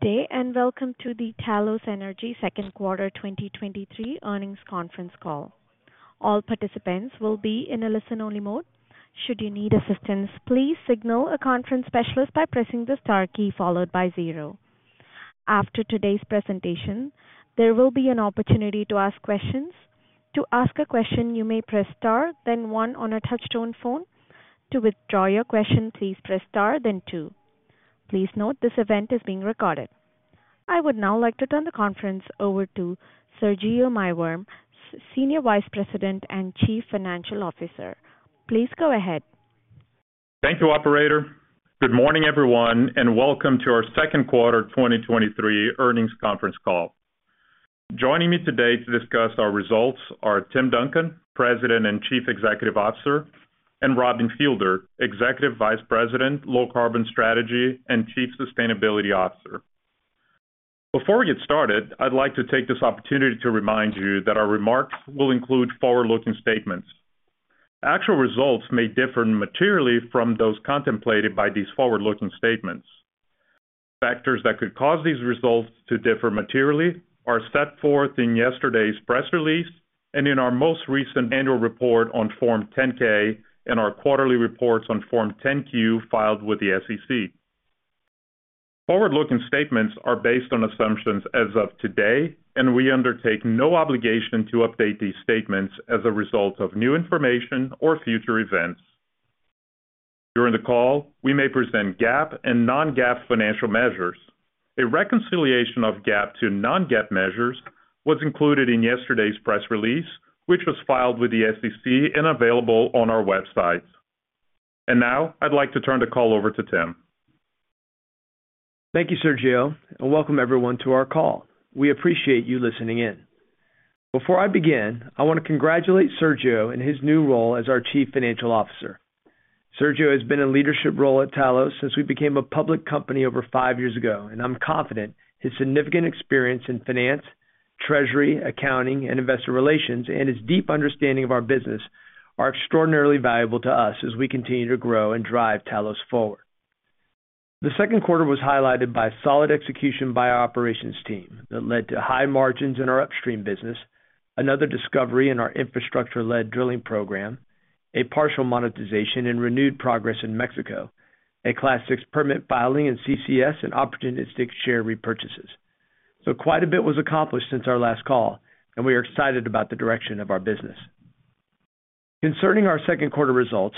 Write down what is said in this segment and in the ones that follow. Good day. Welcome to the Talos Energy second quarter 2023 earnings conference call. All participants will be in a listen-only mode. Should you need assistance, please signal a conference specialist by pressing the Star key followed by zero. After today's presentation, there will be an opportunity to ask questions. To ask a question, you may press Star, then one on a touch-tone phone. To withdraw your question, please press Star, then two. Please note, this event is being recorded. I would now like to turn the conference over to Sergio Maiworm, Senior Vice President and Chief Financial Officer. Please go ahead. Thank you, operator. Good morning, everyone, and welcome to our second quarter 2023 earnings conference call. Joining me today to discuss our results are Tim Duncan, President and Chief Executive Officer, and Robin Fielder, Executive Vice President, Low Carbon Strategy and Chief Sustainability Officer. Before we get started, I'd like to take this opportunity to remind you that our remarks will include forward-looking statements. Actual results may differ materially from those contemplated by these forward-looking statements. Factors that could cause these results to differ materially are set forth in yesterday's press release and in our most recent annual report on Form 10-K and our quarterly reports on Form 10-Q filed with the SEC. Forward-looking statements are based on assumptions as of today, and we undertake no obligation to update these statements as a result of new information or future events. During the call, we may present GAAP and non-GAAP financial measures. A reconciliation of GAAP to non-GAAP measures was included in yesterday's press release, which was filed with the SEC and available on our website. Now I'd like to turn the call over to Tim. Thank you, Sergio. Welcome everyone to our call. We appreciate you listening in. Before I begin, I want to congratulate Sergio in his new role as our Chief Financial Officer. Sergio has been in a leadership role at Talos since we became a public company over five years ago. I'm confident his significant experience in finance, treasury, accounting, and investor relations, and his deep understanding of our business are extraordinarily valuable to us as we continue to grow and drive Talos forward. The second quarter was highlighted by solid execution by our operations team that led to high margins in our upstream business, another discovery in our infrastructure-led drilling program, a partial monetization and renewed progress in Mexico, a Class VI permit filing in CCS and opportunistic share repurchases. Quite a bit was accomplished since our last call, and we are excited about the direction of our business. Concerning our second quarter results,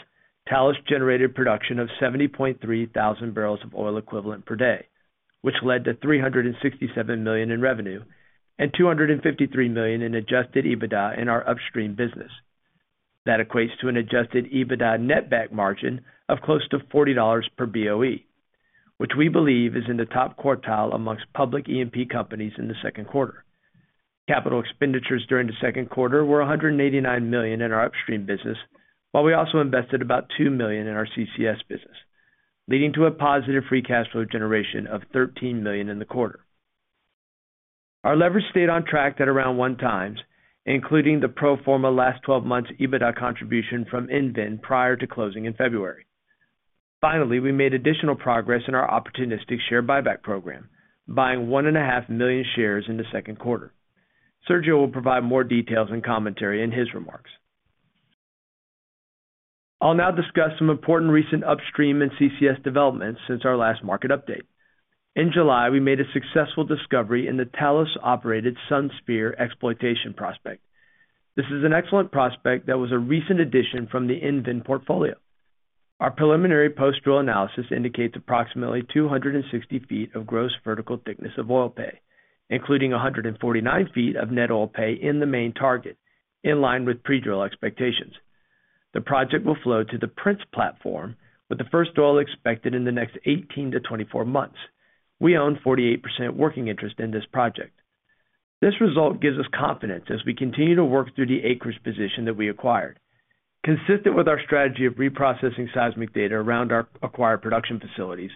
Talos generated production of 70.3 thousand barrels of oil equivalent per day, which led to $367 million in revenue and $253 million in Adjusted EBITDA in our upstream business. That equates to an Adjusted EBITDA net back margin of close to $40 per BOE, which we believe is in the top quartile amongst public E&P companies in the second quarter. Capital expenditures during the second quarter were $189 million in our upstream business, while we also invested about $2 million in our CCS business, leading to a positive free cash flow generation of $13 million in the quarter. Our leverage stayed on track at around one times, including the pro forma last 12 months EBITDA contribution from EnVen prior to closing in February. Finally, we made additional progress in our opportunistic share buyback program, buying 1.5 million shares in the second quarter. Sergio will provide more details and commentary in his remarks. I'll now discuss some important recent upstream and CCS developments since our last market update. In July, we made a successful discovery in the Talos-operated Sunspear exploitation prospect. This is an excellent prospect that was a recent addition from the EnVen portfolio. Our preliminary post-drill analysis indicates approximately 260 ft of gross vertical thickness of oil pay, including 149 ft of net oil pay in the main target, in line with pre-drill expectations. The project will flow to the Prince platform, with the first oil expected in the next 18-24 months. We own 48% working interest in this project. This result gives us confidence as we continue to work through the acreage position that we acquired. Consistent with our strategy of reprocessing seismic data around our acquired production facilities,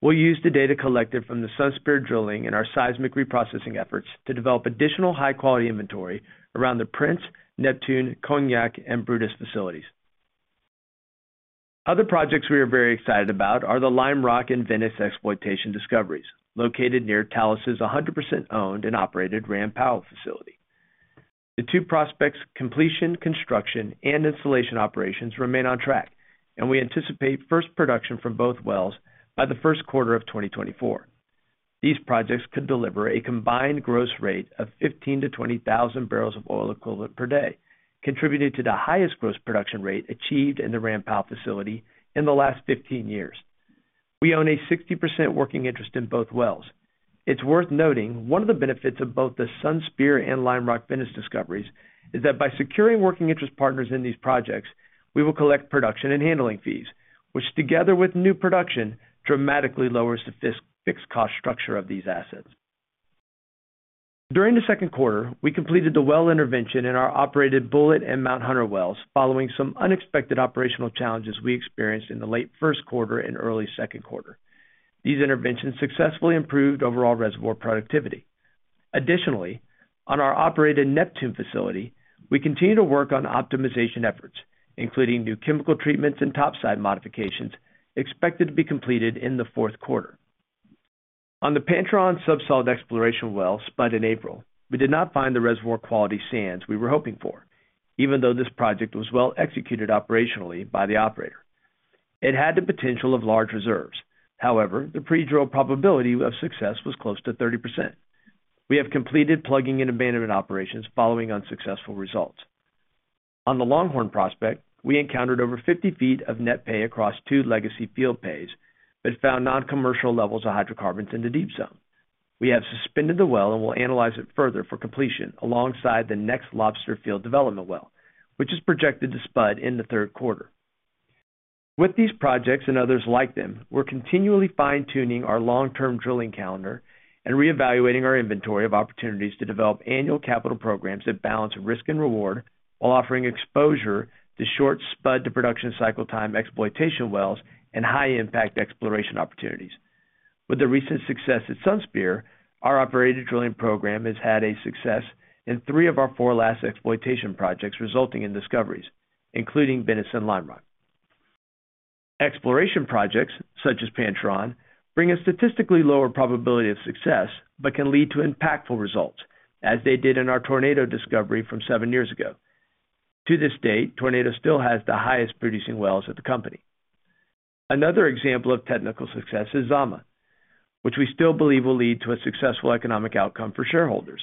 we'll use the data collected from the Sunspear drilling and our seismic reprocessing efforts to develop additional high-quality inventory around the Prince, Neptune, Cognac and Brutus facilities. Other projects we are very excited about are the Lime Rock and Venice exploitation discoveries, located near Talos' 100% owned and operated Ram Powell facility. The two prospects completion, construction and installation operations remain on track, and we anticipate first production from both wells by the first quarter of 2024. These projects could deliver a combined gross rate of 15,000-20,000 barrels of oil equivalent per day, contributing to the highest gross production rate achieved in the Ram Powell facility in the last 15 years. We own a 60% working interest in both wells. It's worth noting, one of the benefits of both the Sunspear and Lime Rock Venice discoveries is that by securing working interest partners in these projects, we will collect production and handling fees, which, together with new production, dramatically lowers the fixed cost structure of these assets. During the second quarter, we completed the well intervention in our operated Bulleit and Mount Hunter wells, following some unexpected operational challenges we experienced in the late first quarter and early second quarter. These interventions successfully improved overall reservoir productivity. Additionally, on our operated Neptune facility, we continue to work on optimization efforts, including new chemical treatments and topside modifications, expected to be completed in the fourth quarter. On the Pancheron sub-salt exploration well spud in April, we did not find the reservoir quality sands we were hoping for, even though this project was well executed operationally by the operator. It had the potential of large reserves. However, the pre-drill probability of success was close to 30%. We have completed plugging and abandonment operations following unsuccessful results. On the Longhorn prospect, we encountered over 50 ft of net pay across two legacy field pays, but found non-commercial levels of hydrocarbons in the deep zone. We have suspended the well and will analyze it further for completion alongside the next Lobster field development well, which is projected to spud in the third quarter. With these projects and others like them, we're continually fine-tuning our long-term drilling calendar and reevaluating our inventory of opportunities to develop annual capital programs that balance risk and reward, while offering exposure to short spud-to-production cycle time exploitation wells and high-impact exploration opportunities. With the recent success at Sunspear, our operated drilling program has had a success in three of our four last exploitation projects, resulting in discoveries, including Venice and Lime Rock. Exploration projects, such as Pancheron, bring a statistically lower probability of success, but can lead to impactful results, as they did in our Tornado discovery from seven years ago. To this date, Tornado still has the highest producing wells at the company. Another example of technical success is Zama, which we still believe will lead to a successful economic outcome for shareholders.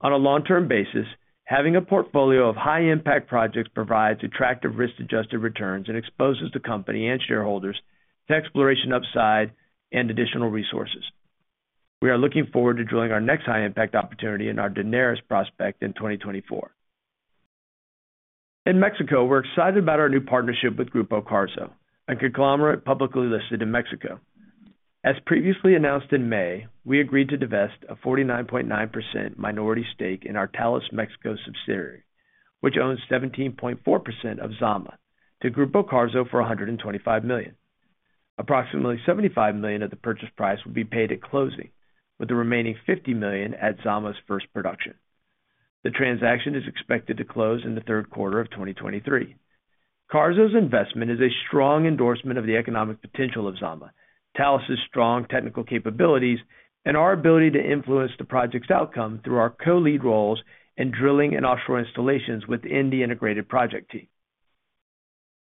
On a long-term basis, having a portfolio of high-impact projects provides attractive risk-adjusted returns and exposes the company and shareholders to exploration upside and additional resources. We are looking forward to drilling our next high-impact opportunity in our Daenerys prospect in 2024. In Mexico, we're excited about our new partnership with Grupo Carso, a conglomerate publicly listed in Mexico. As previously announced in May, we agreed to divest a 49.9% minority stake in our Talos Mexico subsidiary, which owns 17.4% of Zama, to Grupo Carso for $125 million. Approximately $75 million of the purchase price will be paid at closing, with the remaining $50 million at Zama's first production. The transaction is expected to close in the third quarter of 2023. Carso's investment is a strong endorsement of the economic potential of Zama, Talos's strong technical capabilities, and our ability to influence the project's outcome through our co-lead roles in drilling and offshore installations within the integrated project team.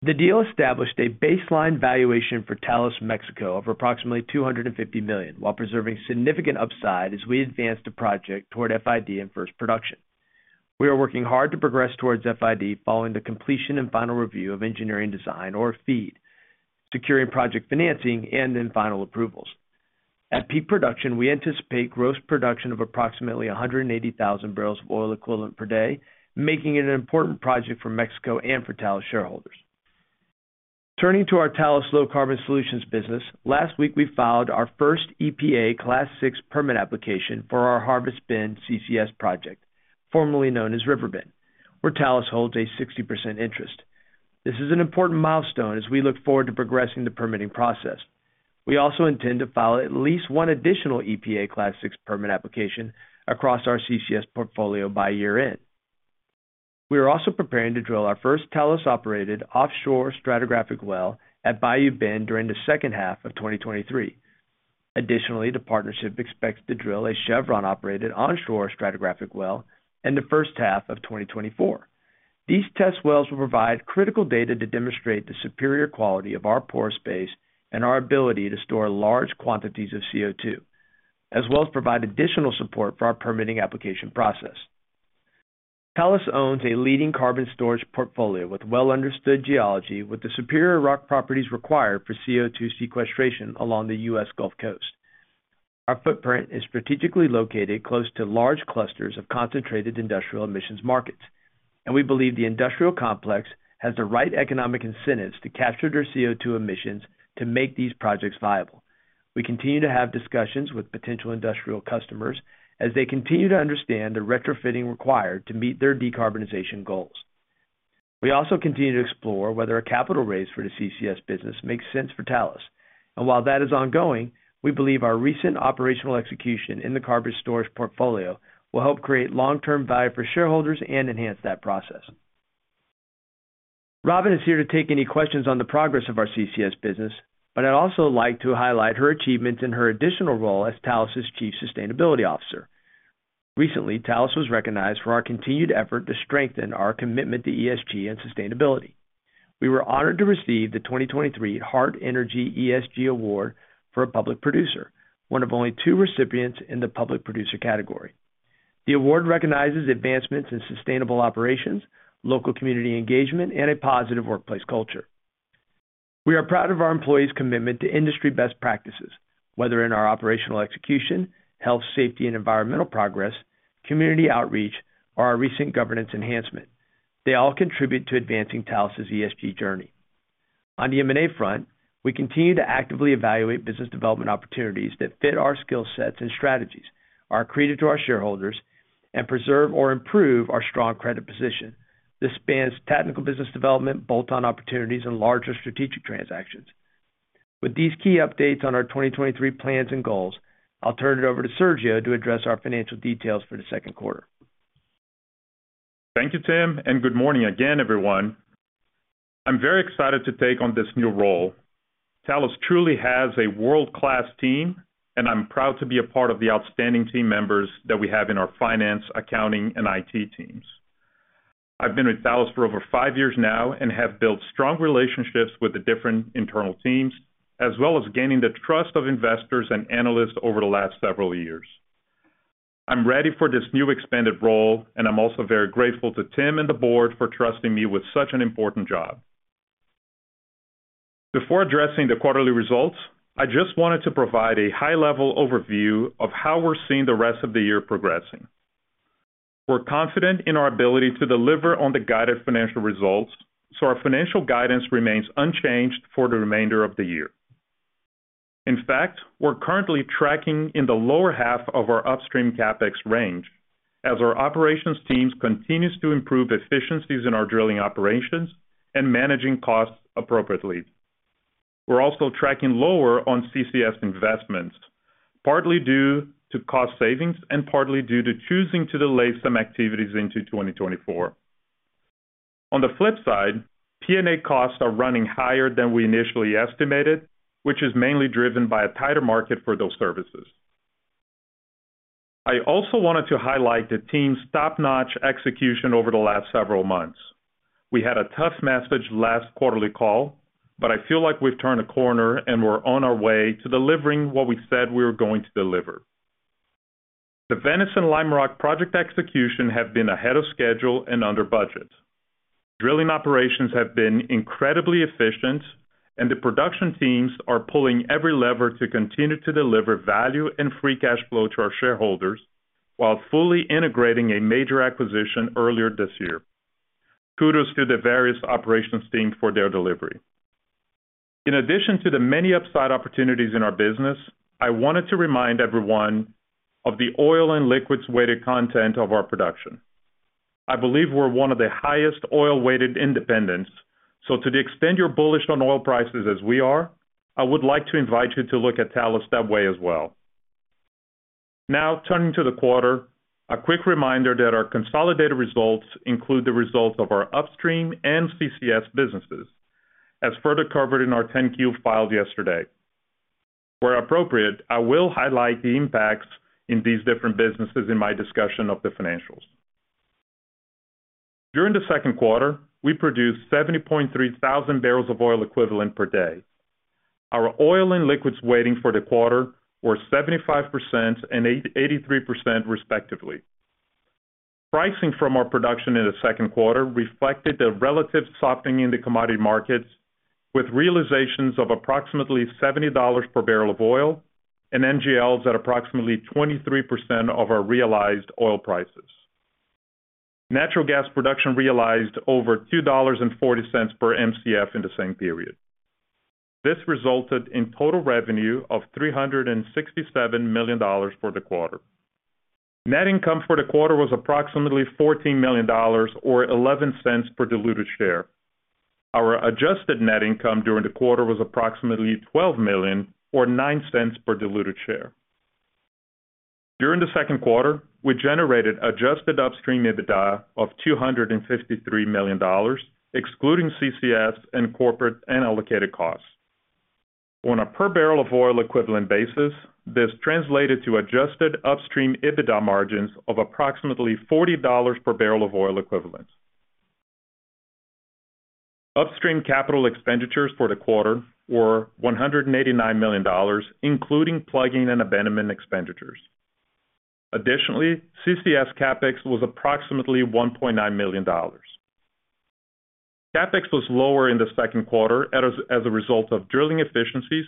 The deal established a baseline valuation for Talos Mexico of approximately $250 million, while preserving significant upside as we advance the project toward FID and first production. We are working hard to progress towards FID following the completion and final review of engineering design, or FEED, securing project financing, and then final approvals. At peak production, we anticipate gross production of approximately 180,000 barrels of oil equivalent per day, making it an important project for Mexico and for Talos shareholders. Turning to our Talos Low Carbon Solutions business, last week, we filed our first EPA Class VI permit application for our Harvest Bend CCS project, formerly known as River Bend, where Talos holds a 60% interest. This is an important milestone as we look forward to progressing the permitting process. We also intend to file at least one additional EPA Class VI permit application across our CCS portfolio by year-end. We are also preparing to drill our first Talos-operated offshore stratigraphic well at Bayou Bend during the second half of 2023. Additionally, the partnership expects to drill a Chevron-operated onshore stratigraphic well in the first half of 2024. These test wells will provide critical data to demonstrate the superior quality of our pore space and our ability to store large quantities of CO2, as well as provide additional support for our permitting application process. Talos owns a leading carbon storage portfolio with well-understood geology, with the superior rock properties required for CO2 sequestration along the US Gulf Coast. Our footprint is strategically located close to large clusters of concentrated industrial emissions markets, and we believe the industrial complex has the right economic incentives to capture their CO2 emissions to make these projects viable. We continue to have discussions with potential industrial customers as they continue to understand the retrofitting required to meet their decarbonization goals. We also continue to explore whether a capital raise for the CCS business makes sense for Talos. While that is ongoing, we believe our recent operational execution in the carbon storage portfolio will help create long-term value for shareholders and enhance that process. Robin is here to take any questions on the progress of our CCS business, but I'd also like to highlight her achievements in her additional role as Talos's Chief Sustainability Officer. Recently, Talos was recognized for our continued effort to strengthen our commitment to ESG and sustainability. We were honored to receive the 2023 Hart Energy ESG Award for a public producer, one of only two recipients in the public producer category. The award recognizes advancements in sustainable operations, local community engagement, and a positive workplace culture. We are proud of our employees' commitment to industry best practices, whether in our operational execution, health, safety, and environmental progress, community outreach, or our recent governance enhancement. They all contribute to advancing Talos's ESG journey. On the M&A front, we continue to actively evaluate business development opportunities that fit our skill sets and strategies, are accretive to our shareholders, and preserve or improve our strong credit position. This spans technical business development, bolt-on opportunities, and larger strategic transactions. With these key updates on our 2023 plans and goals, I'll turn it over to Sergio to address our financial details for the second quarter. Thank you, Tim, and good morning again, everyone. I'm very excited to take on this new role. Talos truly has a world-class team, and I'm proud to be a part of the outstanding team members that we have in our finance, accounting, and IT teams. I've been with Talos for over five years now and have built strong relationships with the different internal teams, as well as gaining the trust of investors and analysts over the last several years. I'm ready for this new expanded role, and I'm also very grateful to Tim and the board for trusting me with such an important job. Before addressing the quarterly results, I just wanted to provide a high-level overview of how we're seeing the rest of the year progressing. We're confident in our ability to deliver on the guided financial results. Our financial guidance remains unchanged for the remainder of the year. In fact, we're currently tracking in the lower half of our upstream CapEx range as our operations teams continues to improve efficiencies in our drilling operations and managing costs appropriately. We're also tracking lower on CCS investments, partly due to cost savings and partly due to choosing to delay some activities into 2024. On the flip side, P&A costs are running higher than we initially estimated, which is mainly driven by a tighter market for those services. I also wanted to highlight the team's top-notch execution over the last several months. We had a tough message last quarterly call. I feel like we've turned a corner, and we're on our way to delivering what we said we were going to deliver. The Venice and Lime Rock project execution have been ahead of schedule and under budget. The production teams are pulling every lever to continue to deliver value and free cash flow to our shareholders while fully integrating a major acquisition earlier this year. Kudos to the various operations team for their delivery. In addition to the many upside opportunities in our business, I wanted to remind everyone of the oil and liquids-weighted content of our production. I believe we're one of the highest oil-weighted independents, to the extent you're bullish on oil prices as we are, I would like to invite you to look at Talos that way as well. Turning to the quarter, a quick reminder that our consolidated results include the results of our upstream and CCS businesses, as further covered in our 10-Q filed yesterday. Where appropriate, I will highlight the impacts in these different businesses in my discussion of the financials. During the second quarter, we produced 70.3 thousand barrels of oil equivalent per day. Our oil and liquids weighting for the quarter were 75% and 83%, respectively. Pricing from our production in the second quarter reflected the relative softening in the commodity markets, with realizations of approximately $70 per barrel of oil and NGLs at approximately 23% of our realized oil prices. Natural gas production realized over $2.40 per Mcf in the same period. This resulted in total revenue of $367 million for the quarter. Net income for the quarter was approximately $14 million, or $0.11 per diluted share. Our adjusted net income during the quarter was approximately $12 million, or $0.09 per diluted share. During the second quarter, we generated adjusted upstream EBITDA of $253 million, excluding CCS and corporate and allocated costs. On a per barrel of oil equivalent basis, this translated to adjusted upstream EBITDA margins of approximately $40 per barrel of oil equivalent. Upstream capital expenditures for the quarter were $189 million, including plugging and abandonment expenditures. CCS CapEx was approximately $1.9 million. CapEx was lower in the second quarter as a result of drilling efficiencies,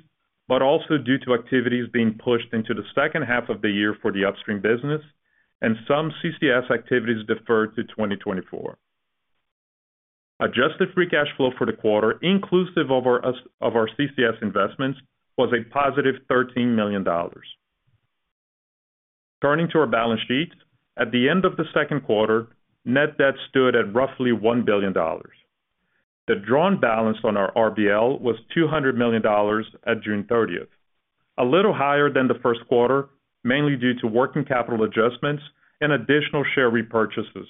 but also due to activities being pushed into the second half of the year for the upstream business and some CCS activities deferred to 2024. Adjusted free cash flow for the quarter, inclusive of our CCS investments, was a positive $13 million. Turning to our balance sheet, at the end of the second quarter, net debt stood at roughly $1 billion. The drawn balance on our RBL was $200 million at June 30th, a little higher than the first quarter, mainly due to working capital adjustments and additional share repurchases,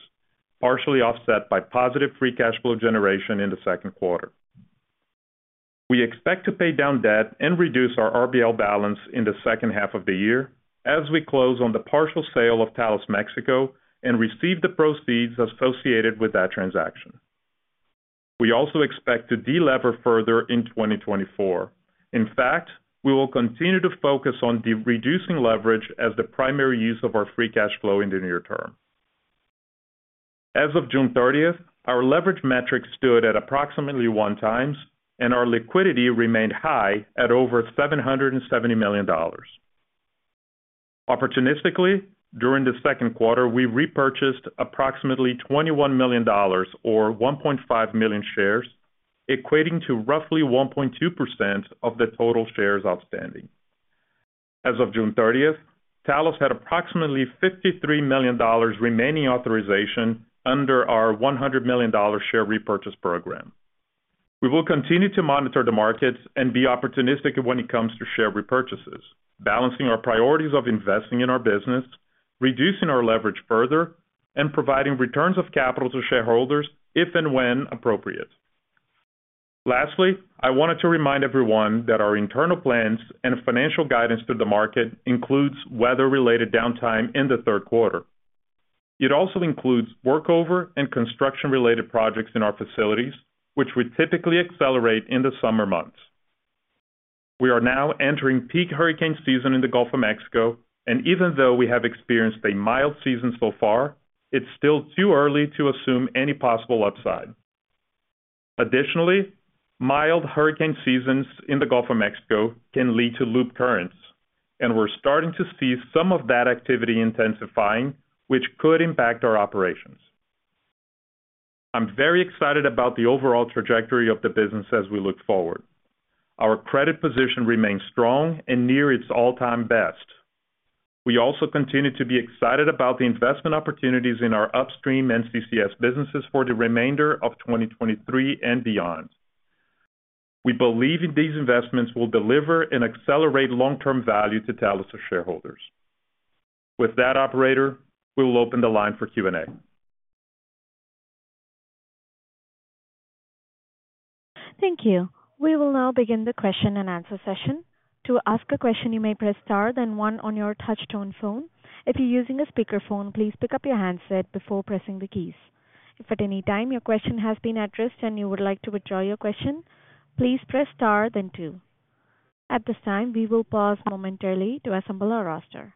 partially offset by positive free cash flow generation in the second quarter. We expect to pay down debt and reduce our RBL balance in the second half of the year as we close on the partial sale of Talos Mexico and receive the proceeds associated with that transaction. We also expect to delever further in 2024. In fact, we will continue to focus on reducing leverage as the primary use of our free cash flow in the near term. As of June 30th, our leverage metrics stood at approximately 1 times, and our liquidity remained high at over $770 million. Opportunistically, during the second quarter, we repurchased approximately $21 million, or 1.5 million shares, equating to roughly 1.2% of the total shares outstanding. As of June 30th, Talos had approximately $53 million remaining authorization under our $100 million share repurchase program. We will continue to monitor the markets and be opportunistic when it comes to share repurchases, balancing our priorities of investing in our business, reducing our leverage further, and providing returns of capital to shareholders if and when appropriate. Lastly, I wanted to remind everyone that our internal plans and financial guidance to the market includes weather-related downtime in the 3rd quarter. It also includes workover and construction-related projects in our facilities, which we typically accelerate in the summer months. We are now entering peak hurricane season in the Gulf of Mexico, even though we have experienced a mild season so far, it's still too early to assume any possible upside. Additionally, mild hurricane seasons in the Gulf of Mexico can lead to loop currents, and we're starting to see some of that activity intensifying, which could impact our operations. I'm very excited about the overall trajectory of the business as we look forward. Our credit position remains strong and near its all-time best. We also continue to be excited about the investment opportunities in our upstream and CCS businesses for the remainder of 2023 and beyond. We believe these investments will deliver and accelerate long-term value to Talos' shareholders. With that, operator, we will open the line for Q&A. Thank you. We will now begin the question-and-answer session. To ask a question, you may press Star then One on your touch-tone phone. If you're using a speakerphone, please pick up your handset before pressing the keys. If at any time your question has been addressed and you would like to withdraw your question, please press Star then Two. At this time, we will pause momentarily to assemble our roster.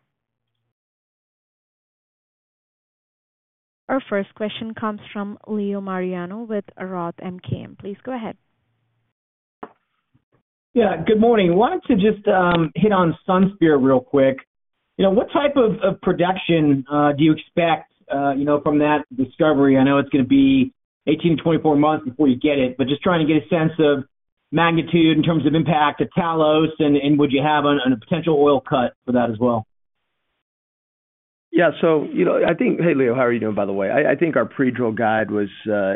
Our first question comes from Leo Mariani with Roth MKM. Please go ahead. Yeah, good morning. Wanted to just hit on Sunspear real quick. You know, what type of production do you expect, you know, from that discovery? I know it's going to be 18-24 months before you get it, but just trying to get a sense of magnitude in terms of impact to Talos and, and would you have on a potential oil cut for that as well? Yeah, you know, I think Hey, Leo, how are you doing, by the way? I, I think our pre-drill guide was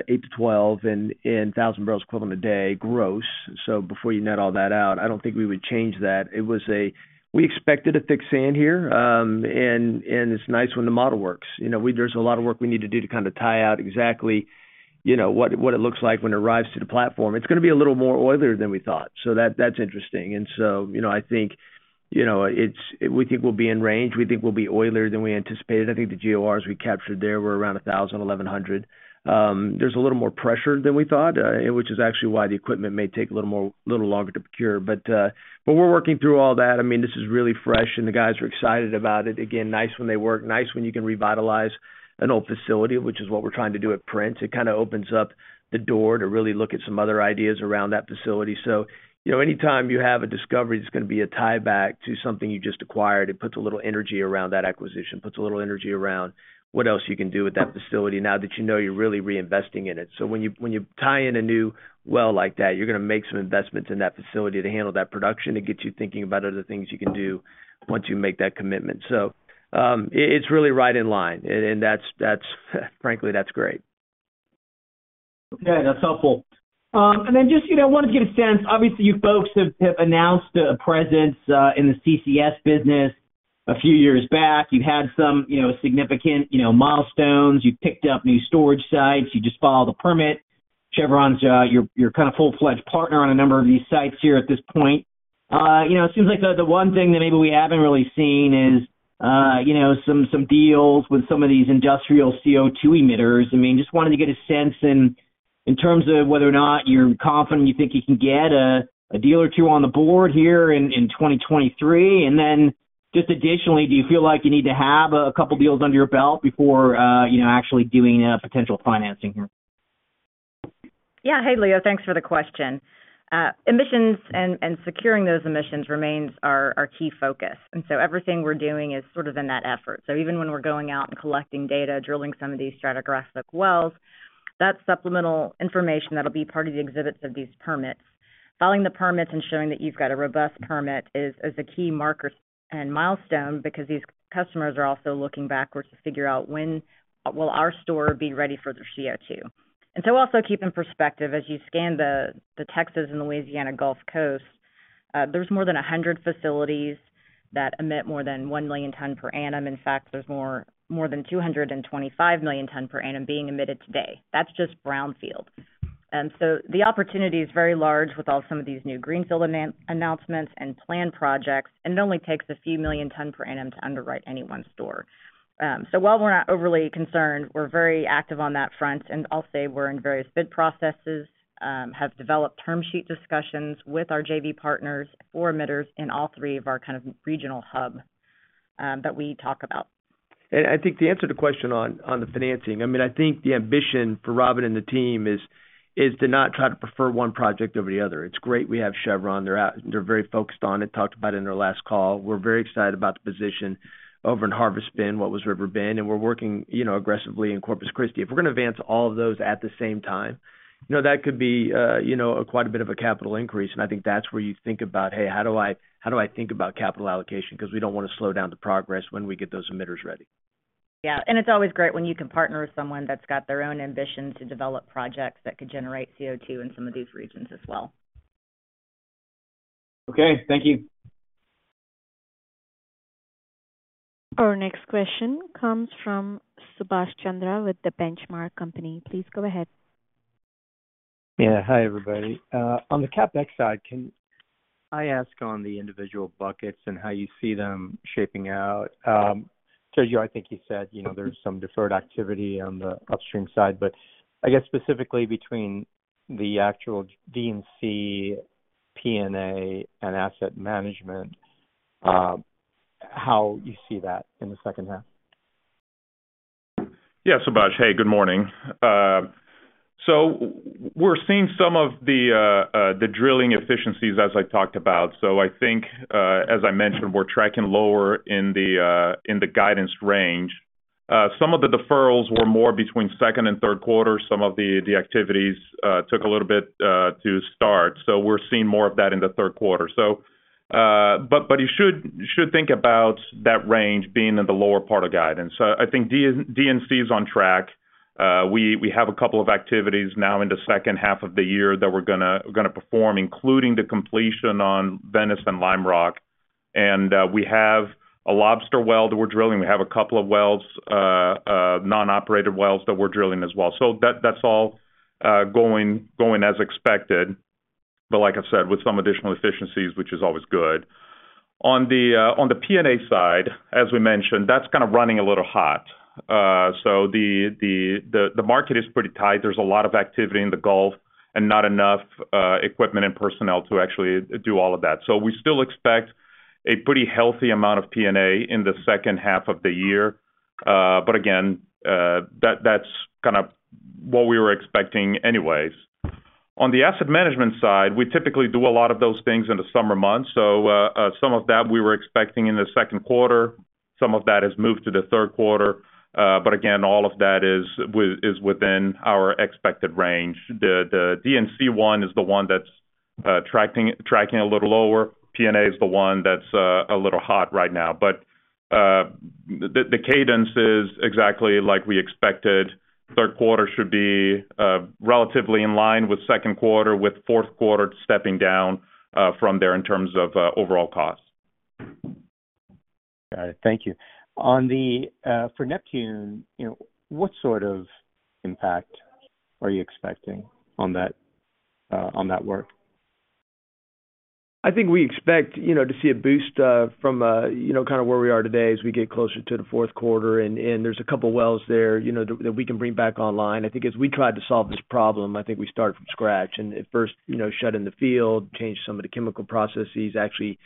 eight to 12 thousand barrels equivalent a day gross. Before you net all that out, I don't think we would change that. It was a-- we expected a thick sand here, it's nice when the model works. You know, we there's a lot of work we need to do to kind of tie out exactly, you know, what, what it looks like when it arrives to the platform. It's going to be a little more oilier than we thought, so that, that's interesting. You know, I think, you know, it's we think we'll be in range. We think we'll be oilier than we anticipated. I think the GORs we captured there were around 1,000, 1,100. There's a little more pressure than we thought, which is actually why the equipment may take a little more, little longer to procure. We're working through all that. I mean, this is really fresh, and the guys are excited about it. Again, nice when they work, nice when you can revitalize an old facility, which is what we're trying to do at Prince. It kind of opens up the door to really look at some other ideas around that facility. You know, anytime you have a discovery, that's going to be a tieback to something you just acquired, it puts a little energy around that acquisition. Puts a little energy around what else you can do with that facility, now that you know you're really reinvesting in it. When you, when you tie in a new well like that, you're going to make some investments in that facility to handle that production. It gets you thinking about other things you can do once you make that commitment. It's really right in line, and that's, that's, frankly, that's great. Okay, that's helpful. Just, you know, wanted to get a sense. Obviously, you folks have, have announced a presence in the CCS business a few years back. You've had some, you know, significant, you know, milestones. You've picked up new storage sites. You just followed the permit. Chevron's, your, your kind of full-fledged partner on a number of these sites here at this point. It seems like the, the one thing that maybe we haven't really seen is, you know, some, some deals with some of these industrial CO₂ emitters. I mean, just wanted to get a sense in, in terms of whether or not you're confident you think you can get a, a deal or two on the board here in, in 2023. Just additionally, do you feel like you need to have a couple deals under your belt before, you know, actually doing a potential financing here? Yeah. Hey, Leo, thanks for the question. Emissions and securing those emissions remains our key focus, and so everything we're doing is sort of in that effort. Even when we're going out and collecting data, drilling some of these stratigraphic wells, that's supplemental information that'll be part of the exhibits of these permits. Filing the permits and showing that you've got a robust permit is a key marker and milestone because these customers are also looking backwards to figure out when will our store be ready for the CO₂. Also keep in perspective, as you scan the Texas and Louisiana Gulf Coast, there's more than 100 facilities that emit more than 1 million ton per annum. In fact, there's more than 225 million ton per annum being emitted today. That's just brownfield. The opportunity is very large with all some of these new Greenfield announcements and planned projects, and it only takes a few million tons per annum to underwrite any one store. While we're not overly concerned, we're very active on that front, and I'll say we're in various bid processes, have developed term sheet discussions with our JV partners or emitters in all three of our kind of regional hub that we talk about. I think the answer to the question on, on the financing, I mean, I think the ambition for Robin and the team is, is to not try to prefer one project over the other. It's great we have Chevron. They're out, they're very focused on it, talked about it in their last call. We're very excited about the position over in Harvest Bend, what was River Bend, and we're working, you know, aggressively in Corpus Christi. If we're going to advance all of those at the same time, you know, that could be, you know, a quite a bit of a capital increase, and I think that's where you think about, hey, how do I, how do I think about capital allocation? Because we don't want to slow down the progress when we get those emitters ready. Yeah, it's always great when you can partner with someone that's got their own ambition to develop projects that could generate CO2 in some of these regions as well. Okay, thank you. Our next question comes from Subash Chandra with The Benchmark Company. Please go ahead. Yeah. Hi, everybody. On the CapEx side, can I ask on the individual buckets and how you see them shaping out? Sergio, I think you said, you know, there's some deferred activity on the upstream side, but I guess specifically between the actual D&C, P&A, and asset management, how you see that in the second half? Yeah, Subash. Hey, good morning. We're seeing some of the drilling efficiencies as I talked about. I think, as I mentioned, we're tracking lower in the guidance range. Some of the deferrals were more between second and third quarter. Some of the activities took a little bit to start. We're seeing more of that in the third quarter. But you should think about that range being in the lower part of guidance. I think D&C is on track. We have a couple of activities now in the second half of the year that we're gonna perform, including the completion on Venice and Lime Rock. We have a Lobster well that we're drilling. We have a couple of wells, non-operated wells that we're drilling as well. That's all going, going as expected. Like I said, with some additional efficiencies, which is always good. On the P&A side, as we mentioned, that's kind of running a little hot. The market is pretty tight. There's a lot of activity in the Gulf and not enough equipment and personnel to actually do all of that. We still expect a pretty healthy amount of P&A in the second half of the year. Again, that, that's kind of what we were expecting anyways. On the asset management side, we typically do a lot of those things in the summer months. Some of that we were expecting in the second quarter, some of that has moved to the third quarter. Again, all of that is within our expected range. The, the D&C one is the one that's tracking, tracking a little lower. P&A is the one that's a little hot right now. The, the cadence is exactly like we expected. Third quarter should be relatively in line with second quarter, with fourth quarter stepping down from there in terms of overall costs. Got it. Thank you. On the... For Neptune, you know, what sort of impact are you expecting on that, on that work? I think we expect, you know, to see a boost, from, you know, kind of where we are today as we get closer to the fourth quarter. There's a couple of wells there, you know, that, that we can bring back online. I think as we tried to solve this problem, I think we started from scratch, and at first, you know, shut in the field, changed some of the chemical processes, actually,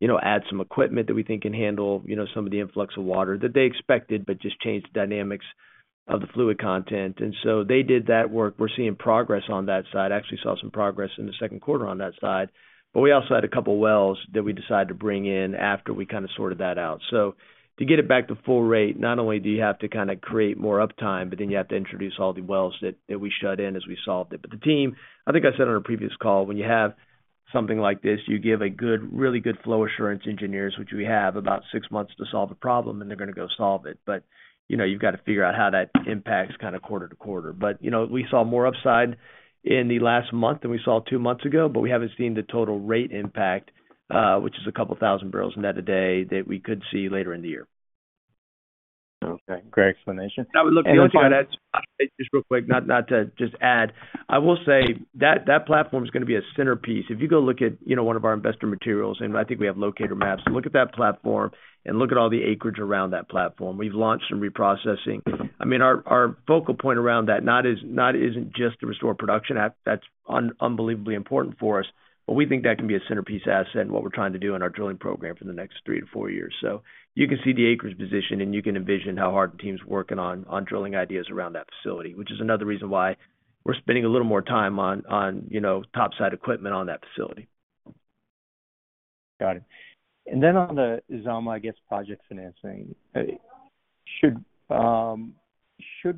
you know, add some equipment that we think can handle, you know, some of the influx of water that they expected, but just changed the dynamics of the fluid content. They did that work. We're seeing progress on that side. Actually, saw some progress in the second quarter on that side. We also had a couple of wells that we decided to bring in after we kind of sorted that out. To get it back to full rate, not only do you have to kind of create more uptime, then you have to introduce all the wells that we shut in as we solved it. The team, I think I said on a previous call, when you have something like this, you give a good, really good flow assurance engineers, which we have, about six months to solve a problem, and they're gonna go solve it. You know, you've got to figure out how that impacts kind of quarter to quarter. You know, we saw more upside in the last month than we saw two months ago, but we haven't seen the total rate impact, which is 2,000 barrels net a day, that we could see later in the year. Okay, great explanation. Just real quick, not to just add. I will say that, that platform is gonna be a centerpiece. If you go look at, you know, one of our investor materials, and I think we have locator maps. Look at that platform and look at all the acreage around that platform. We've launched some reprocessing. I mean, our, our focal point around that isn't just to restore production, that's unbelievably important for us, but we think that can be a centerpiece asset in what we're trying to do in our drilling program for the next three to four years. You can see the acreage position, and you can envision how hard the team's working on drilling ideas around that facility, which is another reason why we're spending a little more time on, you know, topside equipment on that facility. Got it. Then on the Zama, I guess, project financing, should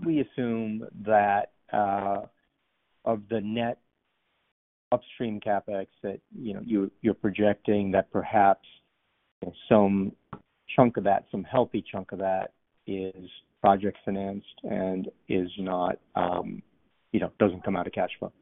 we assume that of the net upstream CapEx that, you know, you're, you're projecting, that perhaps some chunk of that, some healthy chunk of that is project financed and is not, you know, doesn't come out of cash flow?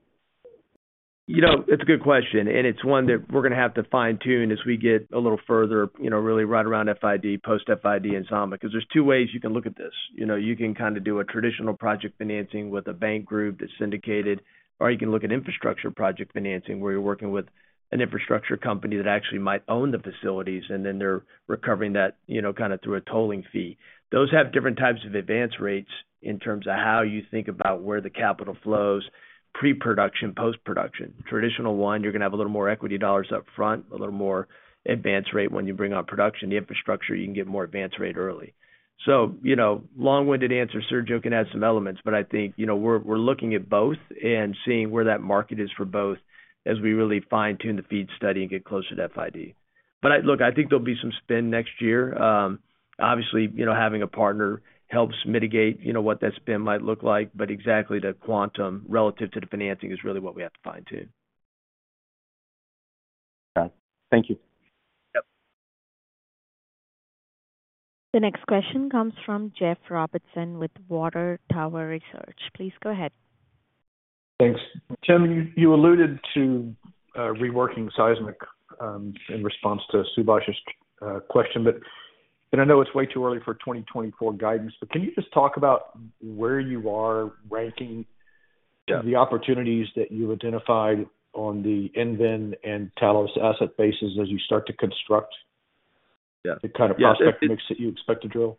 You know, it's a good question, and it's one that we're gonna have to fine-tune as we get a little further, you know, really right around FID, post-FID in Zama, because there's two ways you can look at this. You know, you can kind of do a traditional project financing with a bank group that's syndicated, or you can look at infrastructure project financing, where you're working with an infrastructure company that actually might own the facilities, and then they're recovering that, you know, kind of through a tolling fee. Those have different types of advance rates in terms of how you think about where the capital flows, pre-production, post-production. Traditional one, you're gonna have a little more equity dollars up front, a little more advanced rate when you bring on production. The infrastructure, you can get more advanced rate early. You know, long-winded answer, Sergio, can add some elements, but I think, you know, we're, we're looking at both and seeing where that market is for both as we really fine-tune the FEED study and get closer to FID. Look, I think there'll be some spend next year. Obviously, you know, having a partner helps mitigate, you know, what that spend might look like, but exactly the quantum relative to the financing is really what we have to fine-tune. Got it. Thank you. Yep. The next question comes from Jeff Robertson with Water Tower Research. Please go ahead. Thanks. Tim, you, you alluded to reworking seismic in response to Subash's question, I know it's way too early for 2024 guidance, but can you just talk about where you are ranking Yeah. The opportunities that you've identified on the EnVen and Talos asset bases as you start to construct Yeah. The kind of project mix that you expect to drill?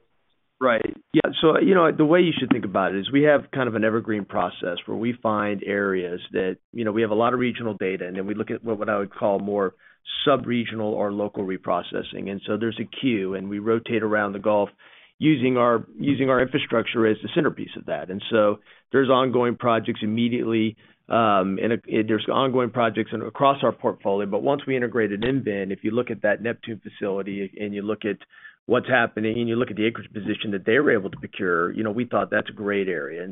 Right. Yeah. You know, the way you should think about it is we have kind of an evergreen process, where we find areas that, you know, we have a lot of regional data, and then we look at what, what I would call more sub-regional or local reprocessing. There's a queue, and we rotate around the Gulf using our, using our infrastructure as the centerpiece of that. There's ongoing projects immediately, and there's ongoing projects and across our portfolio. Once we integrated EnVen, if you look at that Neptune facility and you look at what's happening and you look at the acreage position that they were able to procure, you know, we thought that's a great area.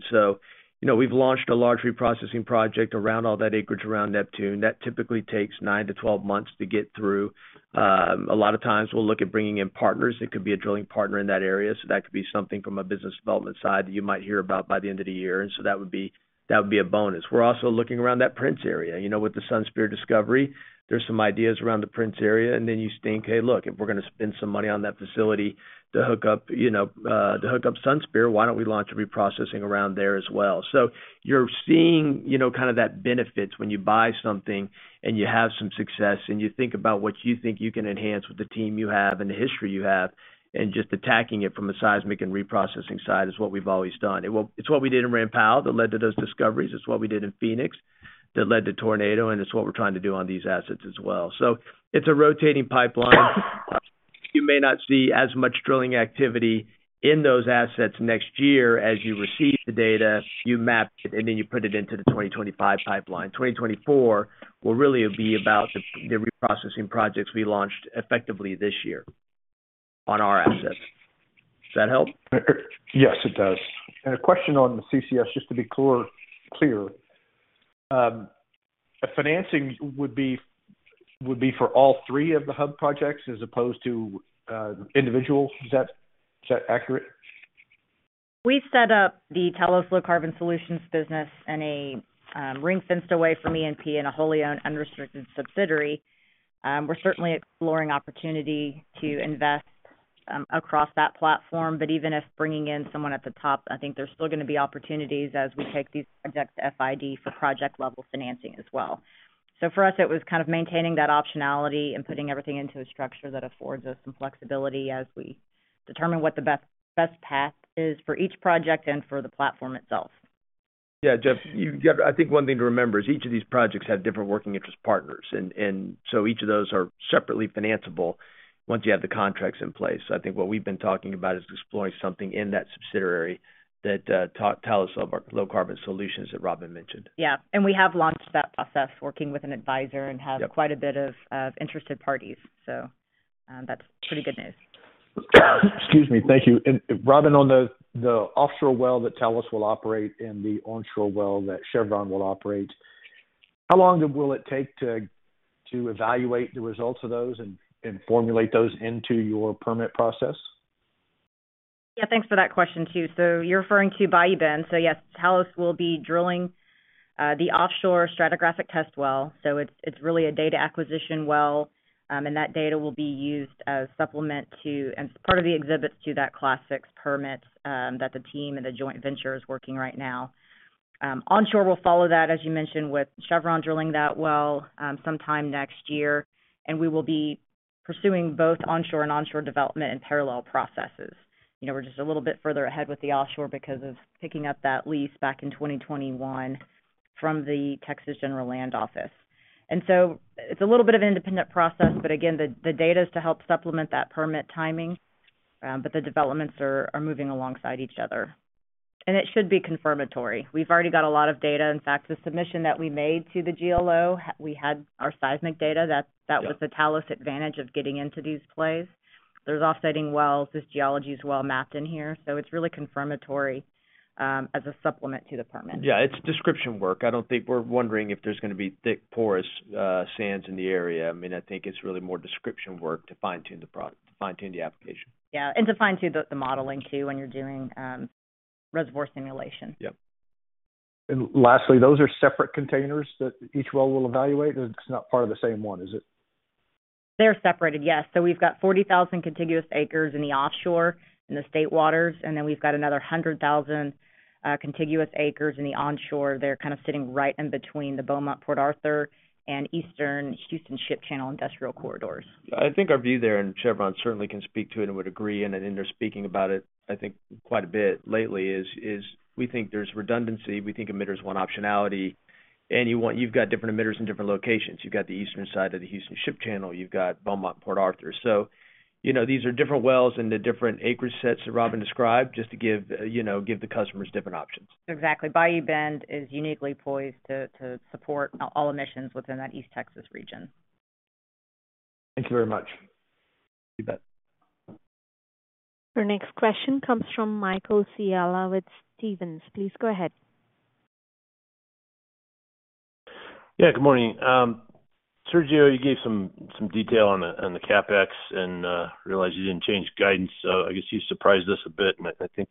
You know, we've launched a large reprocessing project around all that acreage around Neptune. That typically takes nine to 12 months to get through. A lot of times we'll look at bringing in partners. It could be a drilling partner in that area, so that could be something from a business development side that you might hear about by the end of the year. So that would be, that would be a bonus. We're also looking around that Prince area, you know, with the Sunspear discovery. There's some ideas around the Prince area. Then you think, "Hey, look, if we're gonna spend some money on that facility to hook up, you know, to hook up Sunspear, why don't we launch a reprocessing around there as well?" You're seeing, you know, kind of that benefits when you buy something and you have some success, and you think about what you think you can enhance with the team you have and the history you have, and just attacking it from a seismic and reprocessing side, is what we've always done. It's what we did in Ram Powell that led to those discoveries. It's what we did in Phoenix that led to Tornado. It's what we're trying to do on these assets as well. It's a rotating pipeline. You may not see as much drilling activity in those assets next year. As you receive the data, you map it, and then you put it into the 2025 pipeline. 2024 will really be about the reprocessing projects we launched effectively this year on our assets. Does that help? Yes, it does. A question on the CCS, just to be clear, clear. A financing would be for all three of the hub projects as opposed to individual. Is that accurate? We've set up the Talos Low Carbon Solutions business in a ring-fenced away from E&P in a wholly owned, unrestricted subsidiary. We're certainly exploring opportunity to invest across that platform, but even if bringing in someone at the top, I think there's still gonna be opportunities as we take these projects to FID for project-level financing as well. For us, it was kind of maintaining that optionality and putting everything into a structure that affords us some flexibility as we determine what the best, best path is for each project and for the platform itself. Jeff, I think one thing to remember is each of these projects have different working interest partners, and, and so each of those are separately financeable once you have the contracts in place. I think what we've been talking about is exploring something in that subsidiary that Talos Low Carbon Solutions that Robin mentioned. Yeah. We have launched that process, working with an advisor Yep. Have quite a bit of, of interested parties. That's pretty good news. Excuse me. Thank you. Robin, on the, the offshore well that Talos will operate and the onshore well that Chevron will operate, how long will it take to, to evaluate the results of those and, and formulate those into your permit process? Yeah, thanks for that question, too. You're referring to Bayou Bend. Yes, Talos will be drilling the offshore stratigraphic test well. It's, it's really a data acquisition well, and that data will be used as supplement to and part of the exhibits to that Class VI permit that the team and the joint venture is working right now. Onshore will follow that, as you mentioned, with Chevron drilling that well sometime next year. We will be pursuing both onshore and onshore development and parallel processes. You know, we're just a little bit further ahead with the offshore because of picking up that lease back in 2021 from the Texas General Land Office. It's a little bit of an independent process, but again, the, the data is to help supplement that permit timing, but the developments are, are moving alongside each other. It should be confirmatory. We've already got a lot of data. In fact, the submission that we made to the GLO, we had our seismic data. Yeah Was the Talos advantage of getting into these plays. There's offsetting wells. This geology is well mapped in here, so it's really confirmatory as a supplement to the permit. Yeah, it's description work. I don't think we're wondering if there's gonna be thick, porous, sands in the area. I mean, I think it's really more description work to fine-tune the product, to fine-tune the application. Yeah, to fine-tune the, the modeling too, when you're doing, reservoir simulation. Yep. Lastly, those are separate containers that each well will evaluate, or it's not part of the same one, is it? They're separated, yes. We've got 40,000 contiguous acres in the offshore, in the state waters, and then we've got another 100,000 contiguous acres in the onshore. They're kind of sitting right in between the Beaumont-Port Arthur and eastern Houston Ship Channel industrial corridors. I think our view there, Chevron certainly can speak to it and would agree, then they're speaking about it, I think, quite a bit lately, is, we think there's redundancy, we think emitters want optionality, you've got different emitters in different locations. You've got the eastern side of the Houston Ship Channel, you've got Beaumont-Port Arthur. You know, these are different wells in the different acreage sets that Robin described, just to give, you know, give the customers different options. Exactly. Bayou Bend is uniquely poised to support all emissions within that East Texas region. Thank you very much. You bet. Our next question comes from Michael Scialla with Stephens. Please go ahead. Yeah, good morning. Sergio, you gave some, some detail on the, on the CapEx and, realized you didn't change guidance. I guess you surprised us a bit, and I think,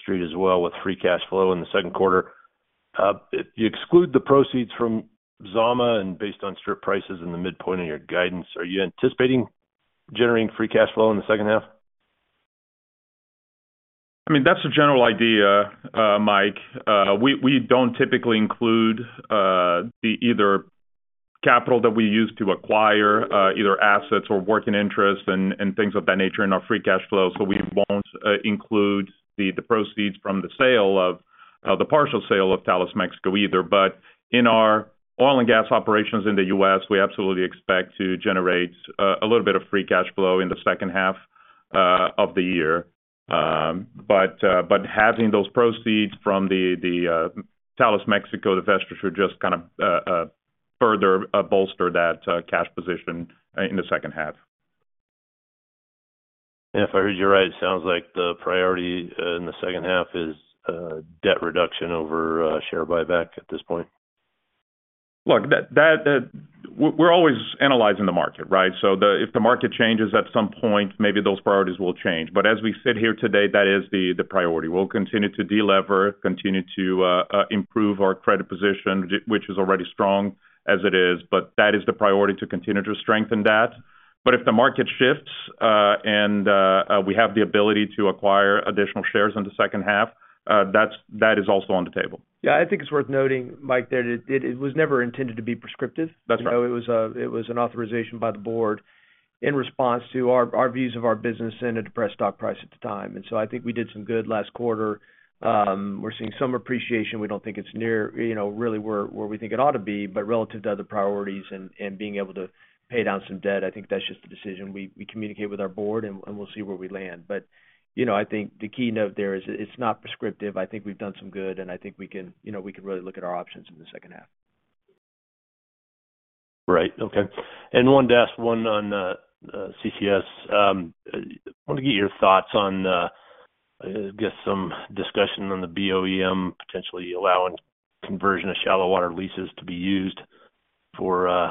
Street as well, with free cash flow in the second quarter. If you exclude the proceeds from Zama and based on strip prices in the midpoint of your guidance, are you anticipating generating free cash flow in the second half? I mean, that's the general idea, Mike. We don't typically include the either capital that we use to acquire either assets or working interest and things of that nature in our free cash flow. We won't include the proceeds from the sale of the partial sale of Talos Mexico either. In our oil and gas operations in the U.S., we absolutely expect to generate a little bit of free cash flow in the second half of the year. Having those proceeds from the Talos Mexico divestiture just kind of further bolster that cash position in the second half. If I heard you right, it sounds like the priority in the second half is debt reduction over share buyback at this point. Look, that, that. We're always analyzing the market, right? If the market changes at some point, maybe those priorities will change. As we sit here today, that is the, the priority. We'll continue to delever, continue to improve our credit position, which is already strong as it is, but that is the priority to continue to strengthen that. If the market shifts, and we have the ability to acquire additional shares in the second half, that's, that is also on the table. Yeah, I think it's worth noting, Mike, that it, it was never intended to be prescriptive. That's right. You know, it was, it was an authorization by the board in response to our, our views of our business and a depressed stock price at the time. I think we did some good last quarter. We're seeing some appreciation. We don't think it's near, you know, really where, where we think it ought to be. Relative to other priorities and, and being able to pay down some debt, I think that's just the decision. We, we communicate with our board and, and we'll see where we land. You know, I think the key note there is it's not prescriptive. I think we've done some good. I think we can, you know, we can really look at our options in the second half. Right. Okay. One to ask, one on CCS. I want to get your thoughts on, I guess some discussion on the BOEM potentially allowing conversion of shallow water leases to be used for,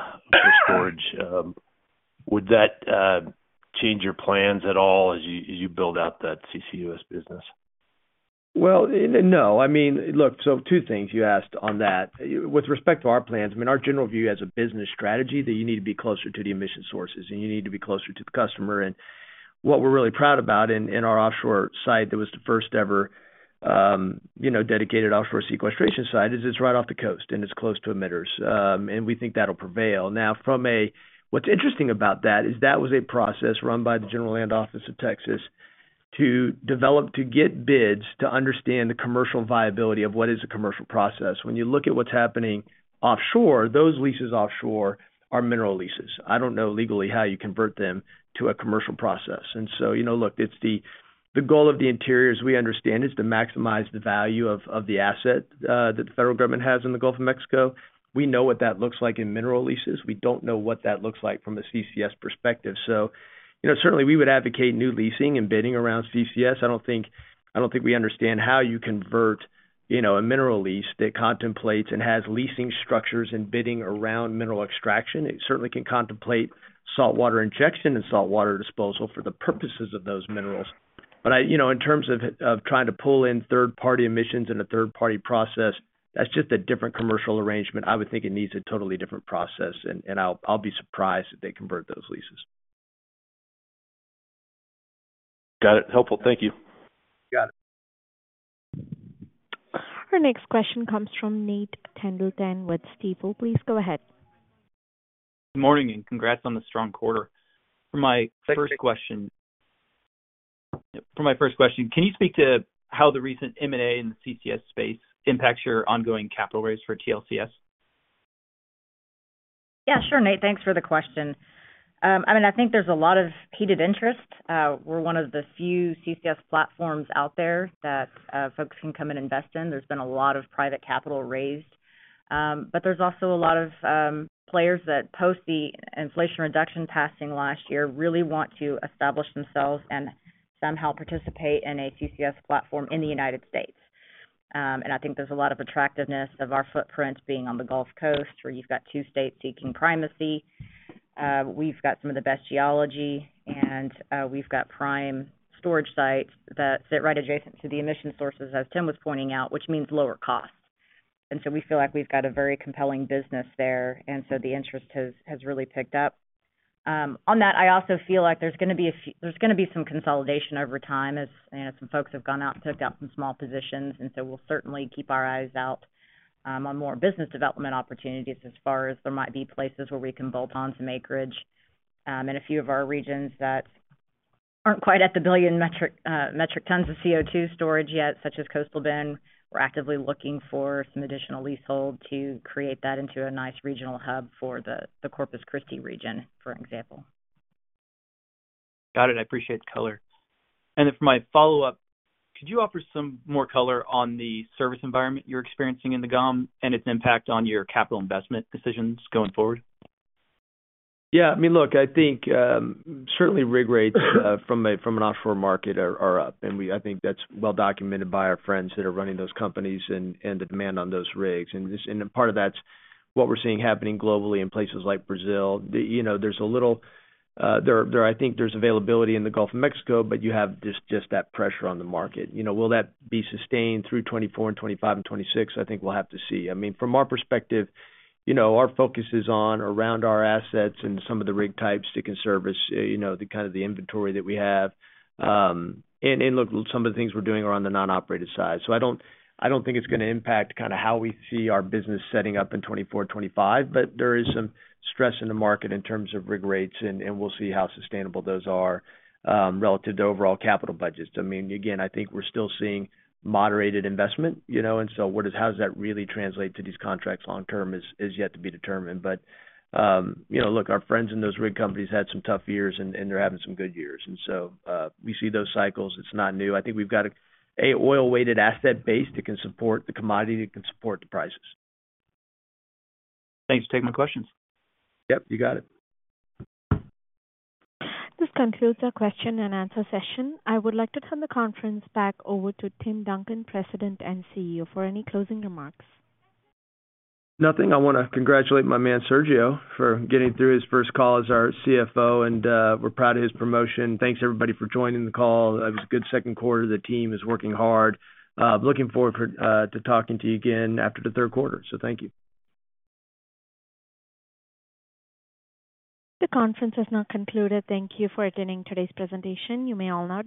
storage. Would that change your plans at all as you, as you build out that CCUS business? Well, no. I mean, look, two things you asked on that. With respect to our plans, I mean, our general view as a business strategy, that you need to be closer to the emission sources, and you need to be closer to the customer. What we're really proud about in, in our offshore site, that was the first-ever, you know, dedicated offshore sequestration site, is it's right off the coast, and it's close to emitters. We think that'll prevail. Now, what's interesting about that is that was a process run by the General Land Office of Texas to develop, to get bids, to understand the commercial viability of what is a commercial process. When you look at what's happening offshore, those leases offshore are mineral leases. I don't know legally how you convert them to a commercial process. You know, look, it's the, the goal of the Interior, as we understand, is to maximize the value of, of the asset that the federal government has in the Gulf of Mexico. We know what that looks like in mineral leases. We don't know what that looks like from a CCS perspective. You know, certainly we would advocate new leasing and bidding around CCS. I don't think, I don't think we understand how you convert, you know, a mineral lease that contemplates and has leasing structures and bidding around mineral extraction. It certainly can contemplate saltwater injection and saltwater disposal for the purposes of those minerals. You know, in terms of, of trying to pull in third-party emissions in a third-party process, that's just a different commercial arrangement. I would think it needs a totally different process, and I'll be surprised if they convert those leases. Got it. Helpful. Thank you. Got it. Our next question comes from Nate Pendleton with Stifel. Please go ahead. Good morning. Congrats on the strong quarter. For my first question... Thank you. For my first question, can you speak to how the recent M&A in the CCS space impacts your ongoing capital raise for TLCS? Yeah, sure, Nate. Thanks for the question. I mean, I think there's a lot of heated interest. We're one of the few CCS platforms out there that folks can come and invest in. There's been a lot of private capital raised, but there's also a lot of players that, post the Inflation Reduction passing last year, really want to establish themselves and somehow participate in a CCS platform in the United States. I think there's a lot of attractiveness of our footprint being on the Gulf Coast, where you've got two states seeking primacy. We've got some of the best geology, and we've got prime storage sites that sit right adjacent to the emission sources, as Tim was pointing out, which means lower costs. So we feel like we've got a very compelling business there, and so the interest has, has really picked up. On that, I also feel like there's gonna be some consolidation over time, as, you know, some folks have gone out and took out some small positions, and so we'll certainly keep our eyes out, on more business development opportunities as far as there might be places where we can bolt on some acreage. In a few of our regions that aren't quite at the 1 billion metric tons of CO2 storage yet, such as Coastal Bend, we're actively looking for some additional leasehold to create that into a nice regional hub for the, the Corpus Christi region, for example. Got it. I appreciate the color. Then for my follow-up, could you offer some more color on the service environment you're experiencing in the GOM and its impact on your capital investment decisions going forward? Yeah, I mean, look, I think, certainly rig rates from an offshore market are up. I think that's well documented by our friends that are running those companies and the demand on those rigs. A part of that's what we're seeing happening globally in places like Brazil. I think there's availability in the Gulf of Mexico, but you have just that pressure on the market. You know, will that be sustained through 2024 and 2025 and 2026? I think we'll have to see. I mean, from our perspective, you know, our focus is on around our assets and some of the rig types that can service, you know, the kind of the inventory that we have. Look, some of the things we're doing are on the non-operated side. I don't, I don't think it's gonna impact kind of how we see our business setting up in 24, 25, but there is some stress in the market in terms of rig rates, and, and we'll see how sustainable those are relative to overall capital budgets. I mean, again, I think we're still seeing moderated investment, you know, what does how does that really translate to these contracts long term is, is yet to be determined. You know, look, our friends in those rig companies had some tough years, and, and they're having some good years, we see those cycles. It's not new. I think we've got a oil-weighted asset base that can support the commodity, that can support the prices. Thanks for taking my questions. Yep, you got it. This concludes our question and answer session. I would like to turn the conference back over to Tim Duncan, President and CEO, for any closing remarks. Nothing. I wanna congratulate my man, Sergio, for getting through his first call as our CFO, and we're proud of his promotion. Thanks, everybody, for joining the call. It was a good second quarter. The team is working hard. Looking forward for to talking to you again after the third quarter. Thank you. The conference has now concluded. Thank you for attending today's presentation. You may all now disconnect.